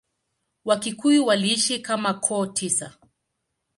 Wakikuyu waliishi kama koo tisa.